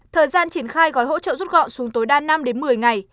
thời gian triển khai gói hỗ trợ rút gọn xuống tối đa năm đến một mươi ngày